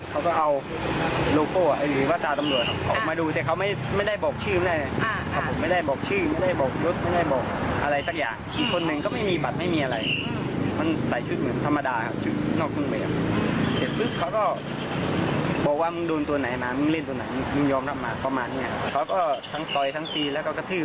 เขาก็เอาโลโก้หรือว่าตาตำรวจครับออกมาดูแต่เขาไม่ได้บอกชื่อแม่ครับผมไม่ได้บอกชื่อไม่ได้บอกรถไม่ได้บอกอะไรสักอย่างอีกคนนึงก็ไม่มีบัตรไม่มีอะไรมันใส่ชุดเหมือนธรรมดาครับชุดนอกเครื่องแบบเสร็จปุ๊บเขาก็บอกว่ามึงโดนตัวไหนนะมึงเล่นตัวไหนมึงยอมรับมาประมาณเนี้ยครับเขาก็ทั้งต่อยทั้งตีแล้วก็กระทืบ